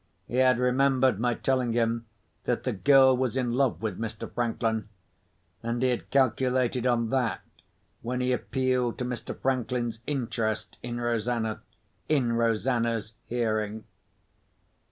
He had remembered my telling him that the girl was in love with Mr. Franklin; and he had calculated on that, when he appealed to Mr. Franklin's interest in Rosanna—in Rosanna's hearing.